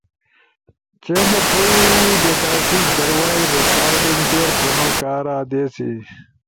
چیں چی تھئی ڈیٹاسیٹ در وائس ریکارڈنگ پیر تھونو کارا دے سی۔